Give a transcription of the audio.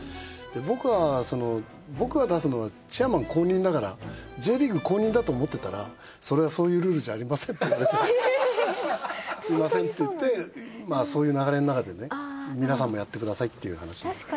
で僕が出すのはチェアマン公認だからＪリーグ公認だと思ってたらそれはそういうルールじゃありませんって言われてすみませんって言ってまあそういう流れのなかでね皆さんもやってくださいっていう話。